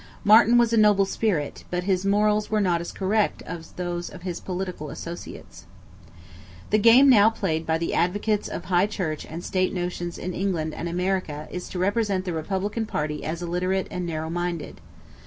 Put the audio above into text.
Marten was a noble spirit, but his morals were not as correct as those of his political associates. The game now played by the advocates of high church and state notions in England and America is to represent the republican party as illiterate and narrow minded.